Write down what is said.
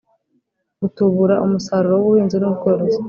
gutubura umusaruro w’ubuhinzi n’ubworozi